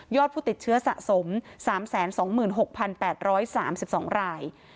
ผู้ติดเชื้อสะสม๓๒๖๘๓๒ราย